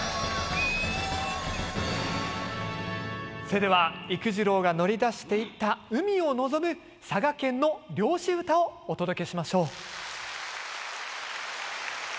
それでは幾次郎が乗り出していった海を望む佐賀県の漁師唄をお届けしましょう。